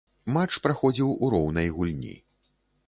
Матч праходзіў у роўнай гульні.